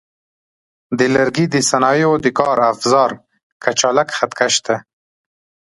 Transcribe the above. د لرګي د صنایعو د کار افزار کچالک خط کش دی.